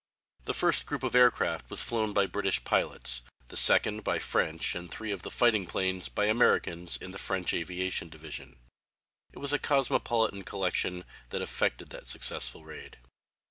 The first group of aircraft was flown by British pilots, the second by French and three of the fighting planes by Americans in the French Aviation Division. It was a cosmopolitan collection that effected that successful raid.